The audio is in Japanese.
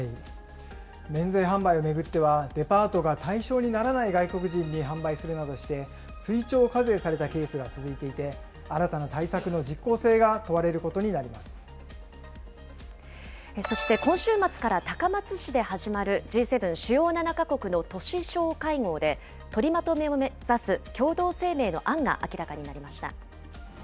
免税販売を巡っては、デパートが対象にならない外国人に販売するなどして、追徴課税されたケースが続いていて、新たな対策の実効性が問われそして今週末から、高松市で始まるＧ７・主要７か国の都市相会合で、取りまとめを目指す共同声明の案が明らかになりました。